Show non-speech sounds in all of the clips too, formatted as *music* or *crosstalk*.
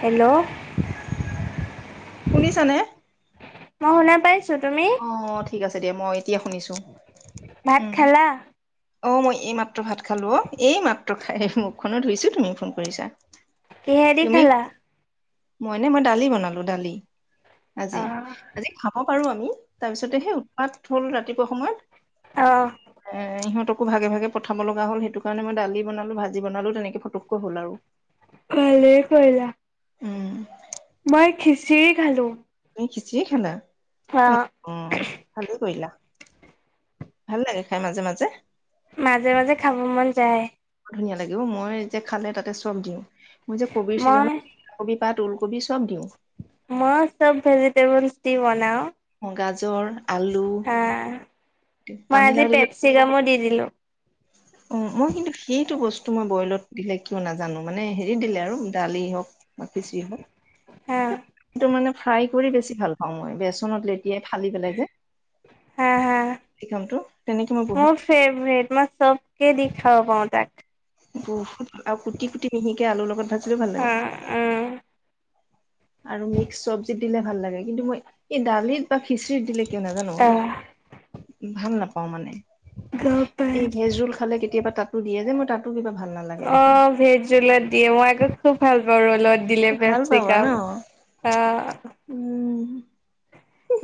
Hello শুনিছানে অঁ শুনা পাইছো অঁ ঠিক আছে দিয়া মই এতিয়া শুনিছো ভাত খালা অঁ মই এই মাত্ৰ ভাত খালো অ এই মাত্ৰ খাই মুখখনো ধুইছো তুমিও ফোন কৰিছা কিহেদি তুমি খালা মই নে মই দালি বনালো দালি আজি আজি খাব পাৰো আৰু তাৰপিছতে সেই উৎপাত হ'ল ৰাতিপুৱা অ', সময়ত এ সিহঁতক ভাগে ভাগে পঠাব লগা হ'ল সেইটো কাৰণে মই দালি বনালো ভাজি বনালো তেনেকে ফটককৈ হ'ল আৰু ভালে কৰিলা উম মই খিচিৰি খালো খিচিয়ে খালা অ ভালে কৰিলা ভাল লাগে খাই মাজে মাজে মাজে মাজে খাব মন যায় ধুনীয়া লাগিব মই যে খালে তাতে চব দিওঁ মই যে কব মই চিজনত বা ওলকবি চব দিওঁ মই চব ভেজিটেবল দি বনাওঁ অ গাজৰ আলু হ মই আজি পানীলাও দিলে পেপচিকামো দি দিলোঁ অ মই কিন্তু সেইটো বস্তু মই বইলত দিলে কিয় নাজানো মানে হেৰি দিলে আৰু দালি হওক বাকী যি হা হটো মানে ফ্ৰাই কৰি বেছি ভাল পাওঁ মই বে ত লেতিয়াই ফালি পেলাই যে হা হা শ কামটো তেনেকে মই বহুত কেই দি খাব পাওঁ তাক। বহুত আৰু কুটি কুটি তেনেকে আলুৰ লগত ভাজিলেও ভাল লাগে। উম উম, আৰু মিক্স চবজীত দিলে ভাল লাগে, কিন্তু মই এই দালিত বা খিচৰিত দিলে কিয় নাজানো আহ অলপ ভাল নাপাওঁ মানে। গম পাই এই ভেজ ৰোল খালে কেতিয়াবা তাতো দিয়ে যে মই তাত অ ভেজ ৰোলত দিয়ে মই আকৌ খুব ভাল পাওঁ ৰলত। দিলে ভাল পেপ চি পাবা ন কাম, আহ। উম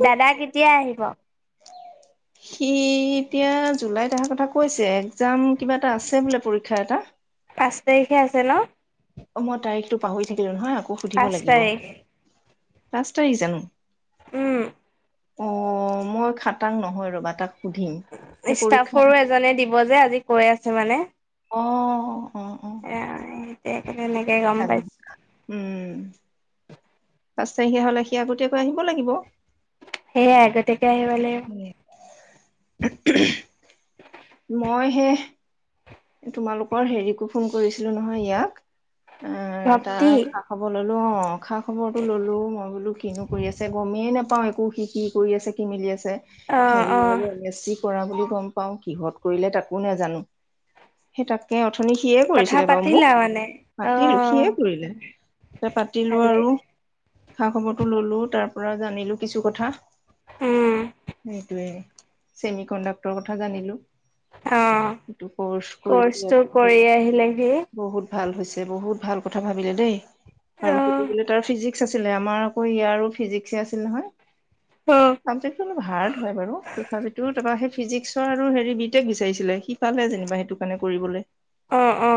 দাদা কেতিয়া আহিব? সি এতিয়া জুলাইত অহাৰ কথা কৈছে। একজাম কিবা এটা আছে বোলে পৰীক্ষা এটা। পাঁচ তাৰিখে আছে ন? অ মই তাৰিখতটো পাহৰি থাকিলো নহয় আকৌ সুধিব পাঁচ লাগিব, তাৰিখ পাঁচ তাৰিখ জানো? উম। অ মই খাটাং নহয় ৰবা তাক সুধিম সেই পৰীক্ষা ষ্টাফৰো এজনে দিব যে আজি কৈ আছে মানে। অহ। ৰা এহেতে একেবাৰে মে হাৰি, উম। পাঁচ তাৰিখে হলে সি আগতীয়াকৈ আহিব লাগিব। সেয়াই আগতোকে আহিব লাগিব। মই সে তোমালোকৰ হেৰিকো ফোন কৰিছিলো নহয় ইয়াক। এ ভক্তি তাৰ খা খাব ললো অ। খা খবৰটো ল'লোঁ, মই বোলো কিনো কৰি আছে গমেই নাপাওঁ একো, সি কি কৰি আছে, কি মিলি আছে। চে অ খালি অ হলে বেছি কৰা বুলি গম পাও কিহত কৰিলে তাকো নাজানো। সেই তাকে অথনি সিয়ে কথা কৰিছিলে বাৰু মোক পাতিলা মানে অ মাতিলো সিয়ে কৰিলে। পাতিলো ভালেই আৰু খা খবৰটো ললো তাৰ পৰা জানিলো কিছু কথা, উম সেইটোয়ে। ছেমি কণ্ডাক্টৰৰ কথা জানিলো। অ এইটো কৰ্চ কৰিছিলে কৰ্চটো কৰি আহিলে। বহুত ভাল হৈছে, বহুত ভাল কথা ভাবিলে দেই আৰু অ সেইটো বোলে তাৰ ফিজিক আছিলে আমাৰ আকৌ ইয়াৰ আৰু ফিজিক্ আছিল নহয়। অ তাৰপিছতো হাৰ্ড হয় বাৰু, তথাপিতো তাপা সেই ফিজিক্স আৰু হেৰি বি টেক বিচাৰিছিলে, সি পালে যেনিবা সেইটো কাণে কৰিবলৈ। অ অ।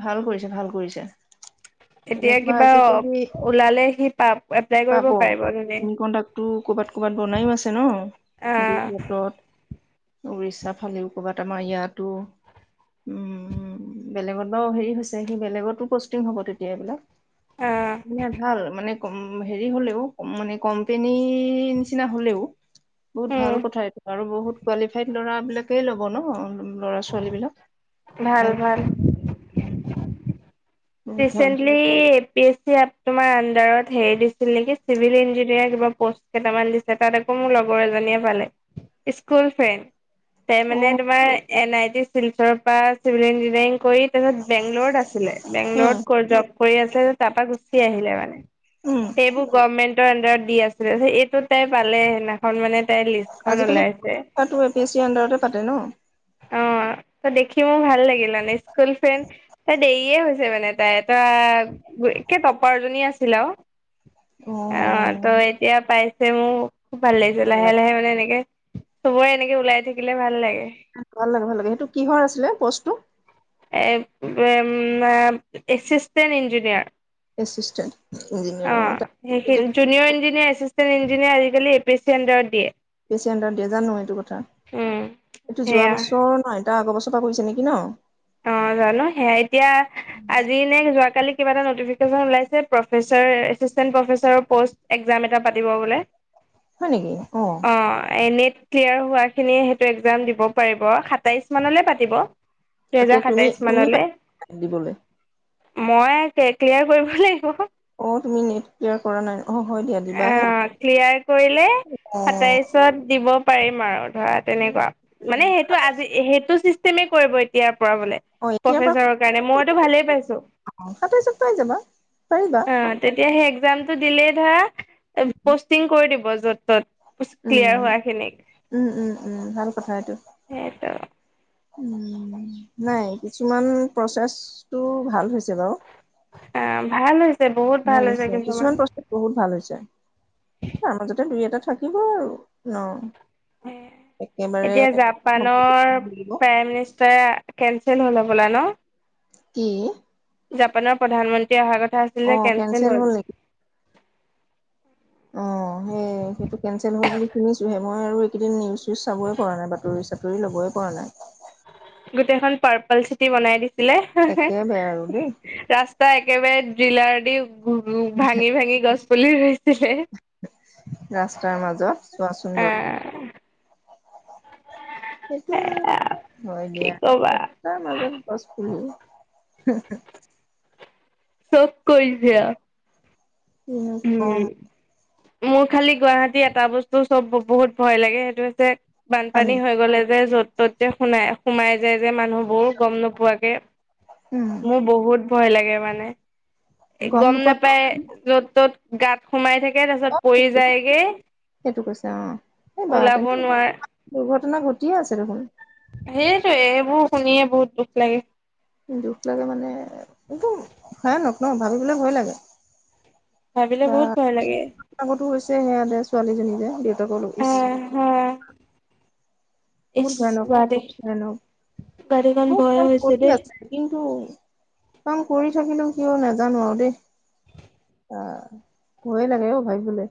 ভাল কৰিছে, ভাল কৰিছে। এতিয়া এনেকুৱা কিবা আজিকালি ওলালে সি পা এপ্লাই কৰিব পাৰিব নে? তো কৰ'বাত ক'বাত বনাইও আছে বহুত। আহ উৰিষশ্যা ফালিল কৰ'বাত আমাৰ ইয়াতো, উম বেলেগত বাৰু হেৰি হৈছে, সি বেলেগতো পষ্টিং হ'ব তেতিয়া দিলে, আহ ইয়াত ভাল মানে হেৰি হ'লেও মানে কোম্পেনীৰ নিচিনা হ'লেও বহুত উম ভাল কথা এইটো আৰু বহুত কোৱালিফাইড ল'ৰা বিলাকেই ল'ব ন ল'ৰা ছোৱালী বিলাক। ভাল ভাল। উম। প্ৰেছেণ্টলী পেচিৰাপ তোমাৰ আন্ধাৰত হেই দিছিল নেকি, চিভিল ইঞ্জিনিয়াৰ কিবা পষ্ট কেইটামান দিছে তাত আকৌ মোৰ লগৰ এজনীয়ে পালে, স্কুল ফ্ৰেণ্। তাইমানে অ', তোমাৰ এন আই টি চিলচৰ পৰা চিভিল ইঞ্জিনিয়াৰিং কৰি তাৰপিছত বেংগলত আছিলে, উম বেংগলৰত জব কৰি আছিলে তাৰ পৰা গুচি আহিলে মানে। উম সেইবোৰ গভমেন্টৰ আডাৰত দি আছিলে, এইটো তাই পালে সেইদিনাখন মানে তাই লিচখন আজিকালি ওলাইছে। পৰীক্ষাটো এ পি এছ চিৰ আণ্ডাৰতে পাতে ন অ ত দেখি মোৰ ভাল লাগিল মানে স্কুল ফ্ৰেণ্ড তাই দেৰিয়ে হৈছে মানে তাই এটা একে টপাৰজনী আছিল আৰু অ ত এতিয়া পাইছে মোৰ খুব ভাল লাগিছে লাহে লাহে মানে এনেকে চবৰে এনেকে ওলাই থাকিলে ভাল লাগে ভাল লাগে ভাল লাগে সেইটো কিহৰ আছিলে পষ্টটো এ উ এচিণ্ট ইঞ্জিনিয়াৰ এচিছষ্টেণ্ট অ সেইখিনি জুনিয়ৰ ইঞ্জিনিয়াৰ এচিচেণ্ট ইঞ্জিনিয়াৰ আজিকালি এ পি চি এণ্ডাৰত দিয়ে বেচিয়ণ্টটা জানো এইটো কথা উম এইটো যোৱা সেয়া বছৰ নহয় তাৰ আগৰ বছৰ চফা কৰিছে নেকি ন অ, জানো সেয়া এতিয়া আজি নে যোৱাকালি কিবা এটা নটিফিকেছন ওলাইছে professor assistant professor post exam এটা পাতিব বোলে। হয় নেকি অ, নেট ক্লিয়াৰ হোৱা খিনি সেইটো একজাম দিব পাৰিব সাতাইশ মানলৈ পাতিব। দুহেজাৰ এতিয়া তুমি সাতাইশ তুমি মানলৈ পাৰিবা দিবলৈ মই ক্লিয়াৰ কৰিব লাগিব। অ, তুমি নেট ক্লিয়াৰ কৰা নাই। অ হয় দিয়া দিবাহে অহ, ক্লিয়াৰ কৰিলে অ সাতাইশত দিব পাৰিম আৰু ধৰা উম তেনেকুৱা মানে সেইটো উম আজি সেইটো চিষ্টেমে কৰিব এতিয়া কৰাবলে অ এতিয়াৰ পৰা প্ৰফেছাৰৰ কাৰণে মইতো ভালেই পাইছো। সাতাইশ পাই যাবা পাৰিবা অ, তেতিয়া সেই একজামটো দিলেই ধৰা পষ্টিং কৰি দিব যত তত। উম ক্লিয়াৰ হোৱা খিনিক - উম - উম - উম ভাল কথা এইটো। সেইটো উম, নাই কিছুমান প্ৰচেছটো ভাল হৈছে বাৰু। অ, ভাল হৈছে। ভাল হৈছে কিছুমান প্ৰস্তুত বহুত ভাল হৈছে। তাৰ মাজতে দুই এটা থাকিব আৰু ন। একেবাৰে এতিয়া জাপানৰ লাগিব। প্ৰাইম মিনিষ্টাৰে কেনচেল হল হবলা ন। কি? জাপানৰ প্ৰধানমন্ত্ৰী অহাৰ কথা আছিল যে কেনচেল হ'ল। অ, সেই সেইটো কেনচেল হল বুলি শুনিছো হে মই আৰু এইকেইদিন নিউজ চউজ চাবই পৰা নাই বাতৰি চাতৰি ল'বই পৰা নাই। গোটেইখন পাৰ্পল চিটি বনাই দিছিলে হা - হা একে বেয়া আৰু দেই ৰাস্তা ত'একেবাৰে জিলাৰ দি ভাঙি - ভাঙি গছ পুলি ৰুইছে। ৰাস্তাৰ মাজত চোৱাচোন বাৰু। আহ সেইটো হয় কি দিয়া কবা ৰাস্তাৰ মাজত গছ পুলি। হম - হম। ফেক কৈ দিয়া। কিনো কম। মোৰ খালি গুৱাহাটী এটা বস্তু চব বহুত ভয় লাগে সেইটো হৈছে পানী বানপানী হৈ গ'লে যে য'ত ত'ত যে সোমাই - সোমাই য যে মানুহবোৰ গম নোপোৱাকে উম মোৰ বহুত ভয় লাগে মানে। গম নাপাই য'ত ত'ত গাত সোমাই থাকে। তাৰিছত অ পৰি সেইটো যায়গে সেইটো কৈছে অ ওলাব নোৱাৰে। টোম্ৰঙ ঘটিয়ে আছে দেখোন। সেইটোৱে এইবোৰ শুনিয়ে বহুত দুখ লাগে। দুখ লাগে মানে একটো ভয়ানক ন ভাবিবলে ভয় লাগে। ভাবিলে বা বহুত ভয় লাগে আগতো হৈছে। সেয়া দে ছোৱালীজনী যে দেউতাকৰ লগ ইচ আহ হা বহুত ইচ ভয়ানক - গুৱাহাটী বহুত ভয়ানক। গুৱাহাটীখন বহুত ভয় কাম হৈছে কৰি দেই আছে কিন্তু কাম কৰি থাকিলো কিয় নাজানো আৰু দেই। অহ, ভৈয়ে লাগে অ, ভাবিবলে।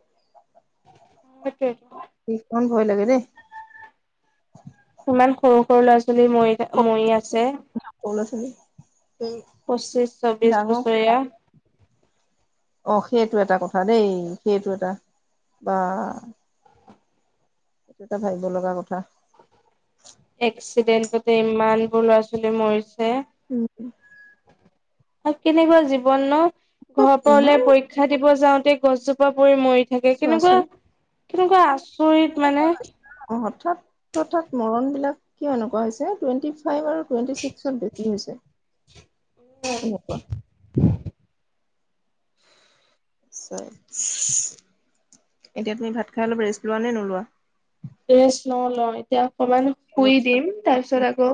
সেইটোৱে। ব্ৰিজখন ভয় লাগে দেই। ইমান সৰু - সৰু ল'ৰা ছোৱালী মৰি - মৰি আছে। *unintelligible* পচিছ চবিশ ডাঙৰ বছৰীয়া। অ, সেইটো এটা কথা দেই সেইটো এটা বা এইটো এটা ভাবিব লগা কথা। এক্সিডেন্টতে ইমানবোৰ ল'ৰা- ছোৱালী মৰিছে। উম। কেনেকুৱা জীৱন ন ঘৰৰ পৰা ইমান ওলাই পৰীক্ষা দিব যাও তেই গছজোপা পৰি মৰি থাকে, কেনেকুৱা চোৱাচোন কেনেকুৱা আচৰিত মানে। অৰ্থাৎ তথৎ মৰণ বিলাক কিয় এনেকুৱা হৈছে টুৱেণ্টি ফাইভ আৰু টুৱেন্টি ছিক্সত বেছি হৈছে এনেকুৱা। নিশ্চয়, এতিয়া তুমি ভাত খাই অলপ ৰেষ্ট লোৱা নে নোলোৱা? ৰেষ্ট লও লও এতিয়া অকমান শুই দিম, তাৰপিছত আকৌ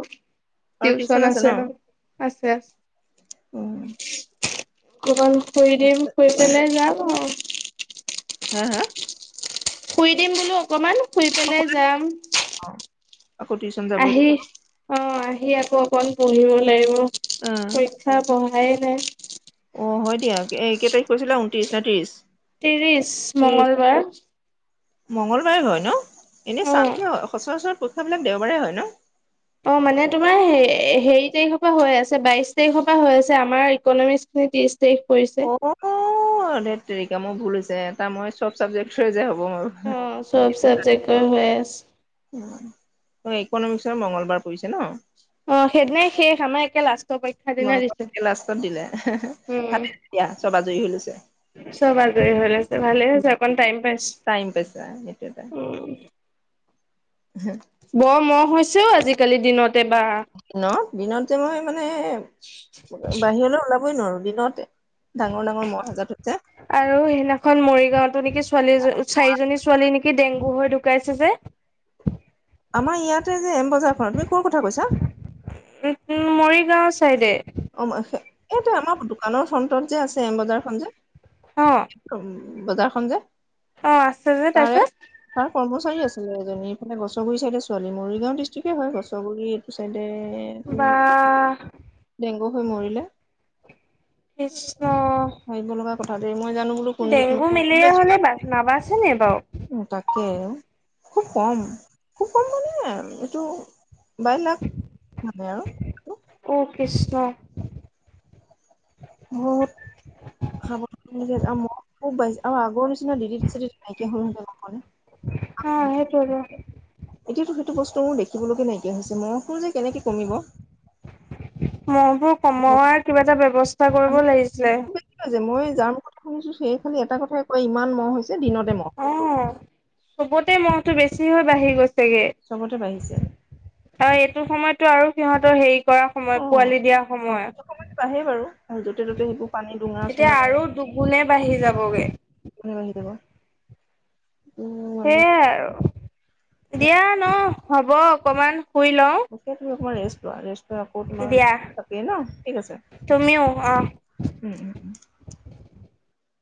টিউচন আছে ন আছে উম আছে। অকমান শুই দিম, শুই পেলাই যাম আৰু। হা হা? শুই দিম বোলো অকমান। শুই পেলাই যাম আকৌ টিউচন যাবই আহি অ', আহি আকৌ অকণ পঢ়িব লাগিব, অ পৰীক্ষা পঢ়াই নাই। অ', হয় দিয়া এই কেই তাৰিখ কৰিছিলা ঊনত্ৰিশ নে ত্ৰিশ? ত্ৰিশ মংগলবাৰ। মংগলবাৰে হয় ন, এনে চাম অ'। সচৰাচৰ পৰীক্ষাবিলাক দেওবাৰে হয় ন। অ', মানে তোমাৰ হেই হেৰি তাৰিখৰ পৰা হৈ আছে বাইশ তাৰিখৰ পৰা হৈ আছে আমাৰ ইকনমিকচখিনি ত্ৰিশ তাৰিখ পৰিছে অ', ধেত তেৰিকা মোৰ ভুল হৈছে এ তাৰ মই চব চাবজেক্টৰ যে হ'ব। মোৰ অ', চব সেইটো চাবজেক্টৰ হৈ আছে। অ', ইকনমিক্সৰ মংগলবাৰ পৰিছে ন? অ', সেইদিনাই শেষ আমাৰ একে লাষ্ট তোমালোকক লাষ্টত দিলে, উম, ভাল দিয়া চব আজৰি হৈ লৈছে। চব আজৰি হৈ আছে, ভালে হৈছে অকণ টাইম টাইম পাইছা পাইছোঁ উম। উম। হা! বৰ মহ হৈছেও আজিকালি দিনত। দিনত দিনত যে মই মানে বাহিৰলৈ ওলাবই নোৱাৰো দিনত ডাঙৰ ডাঙৰ মহ এজাক ধৰিছে আৰু সেইদিনাখন মৰিগাঁওতো নেকি ছোৱালী চাৰিজনী ছোৱালী নেকি কি ডেংগু হৈ ঢুকাইছে যে। আমাৰ ইয়াতে যে এমবজাৰখনত তুমি কৰ কথা কৈছা? উম, মৰিগাঁও চাইডে অ', এইটো আমাৰ দোকানৰ ফন্টত যে আছে এম বজাৰখন যে। অ', কি কম? বজাৰখন যে, অ', আছে যে তাৰে তাৰপিছত তাৰ কৰ্মচাৰী আছিলে এজনী। মান গছৰ গুৰি চাইডে ছোৱালি মৰিগাও ডিষ্টিকটে হয় গছৰ গুৰি এইটো চাই বাহ! ডেংগু হৈ মৰিলে। কৃষ্ণ! ভাবিব লগা কথা দেই মই জানো বোলো কোন ম ডেংগু মেলেৰিয়া হলে যোৱা বা নাবাচেনে বাৰু তাকে খুব কম খুব কম, মানে এইটো বাই লাখ ভালে আৰু। অ কৃষ্ণ। বহুত খাব ম খ বাই আৰু আগৰ নিচিনা দিলিত -চিলিত নাইকিয়া হ'লতে মানে হা সেইটোৱেটো এতিয়াতো সেইটো বস্তু মোৰ দেখিবলৈকে নাইকিয়া হৈছে মহটো যে কেনেকে কমিব? মোক কমোৱাৰ কিবা এটা ব্যৱস্থা কৰিব লাগিছিলে। শুছো সেই খালি এটা কথাই কয় ইমান মহ হৈছে দিনতে মহ অ চবতে মহটো বেছি হৈ বাঢ়ি গৈছেগে চবতে বাঢ়িছে আৰু এইটো সময়ত টো আৰু সিহঁতৰ হেৰি কৰা সময় অ পোৱালি দিয়া অ সময়, সেইটো সময়ত বাঢ়ে বাৰু আৰু য'তে ত'তে সেইবোৰ পানী ডুঙা চুঙা এতিয়া আৰু দুখ গোনে বাঢ়ি যাবগে। আহি দাব *unintelligible* সেইয়াই আৰু দিয়া ন হব অকমান শুই লওঁ ইতিয়া তুমি অকমান ৰেষ্ট লোৱা ৰেষ্ট'লৈ আকৌ তোমাৰ দিয়া থাকেই ন থিক আছে। তুমিও অ উম উম উম।